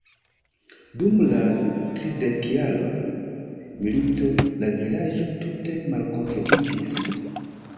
Dum la Tridekjara milito la vilaĝo tute malkonstruitis.